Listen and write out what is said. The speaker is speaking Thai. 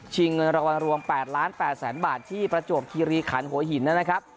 เงินรางวัลรวม๘๘๐๐๐บาทที่ประจวบคีรีขันหัวหินนะครับ